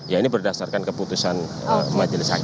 ya ini berdasarkan keputusan majelis hakim